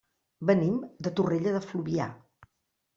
Venim de Torroella de Fluvià.